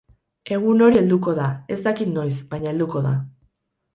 Egun hori helduko da, ez dakit noiz, baina helduko da.